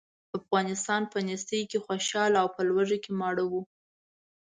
افغانان په نېستۍ کې خوشاله او په لوږه کې ماړه وو.